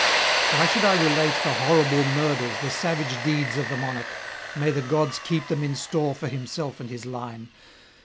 Why should I relate the horrible murders, the savage deeds of the monarch? May the gods keep them in store for himself and his line!